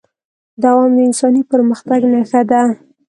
دوام د انساني پرمختګ نښه ده.